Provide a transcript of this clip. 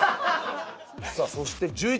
さあそして１１番の方。